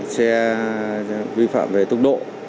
xe vi phạm về tốc độ